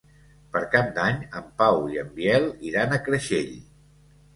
Per Cap d'Any en Pau i en Biel iran a Creixell.